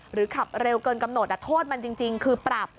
ขับเร็วเกินกำหนดโทษมันจริงคือปรับ